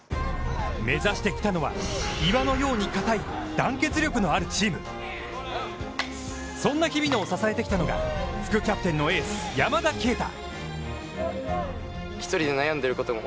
目指してきたのは岩のようにかたい団結力のあるチームそんな日比野を支えてきたのが副キャプテンのエース、山田渓太。